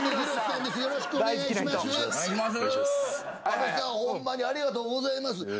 阿部さん、ほんまにありがとうございます。